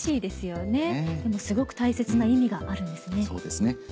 でもすごく大切な意味があるんですね。